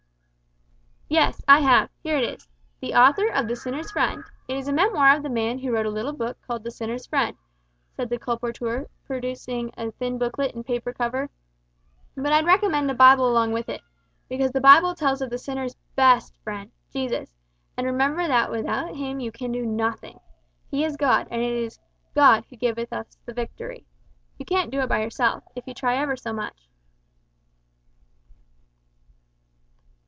"Yes, I have. Here it is The Author of the Sinner's Friend; it is a memoir of the man who wrote a little book called The Sinner's Friend," said the colporteur, producing a thin booklet in paper cover, "but I'd recommend a Bible along with it, because the Bible tells of the sinner's best friend, Jesus, and remember that without Him you can do nothing. He is God, and it is `God who giveth us the victory.' You can't do it by yourself, if you try ever so much."